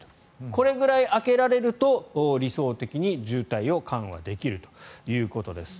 これくらい空けられると理想的に渋滞を緩和できるということです。